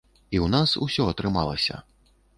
І ў нас усё атрымалася!